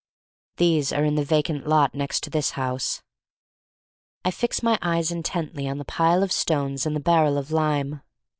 These are in the vacant lot next to this house. I fix my eyes intently on the Pile of Stones and the Barrel of Lime.